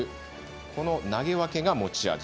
この投げ分けが持ち味。